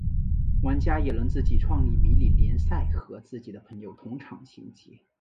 玩家也能自己创立迷你联赛和自己的朋友同场竞技。